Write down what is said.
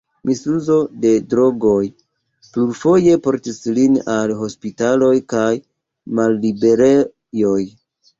Misuzo de drogoj plurfoje portis lin al hospitaloj kaj malliberejoj.